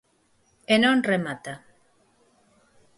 E non remata.